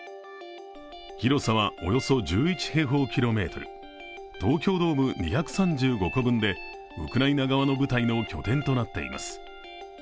広さはおよそ１１平方キロメートル東京ドーム２３５個分でウクライナ側の部隊の拠点となっています。